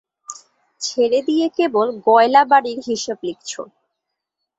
ছেড়ে দিয়ে কেবল গয়লাবাড়ির হিসেব লিখছ!